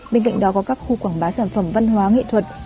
bên cạnh đó có các khu quảng bá sản phẩm văn hóa nghệ thuật